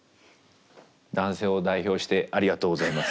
男性を代表してありがとうございます。